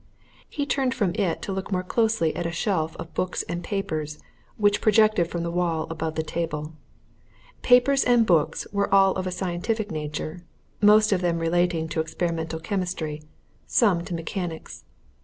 He turned from it to look more closely at a shelf of books and papers which projected from the wall above the table. Papers and books were all of a scientific nature, most of them relating to experimental chemistry, some to mechanics.